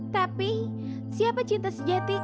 tapi siapa cinta sejatiku